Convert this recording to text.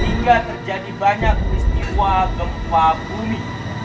hingga terjadi banyak peristiwa gempa bumi